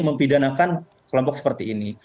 mempidanakan kelompok seperti ini